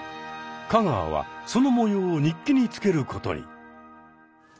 香川はそのもようを日記につけることに。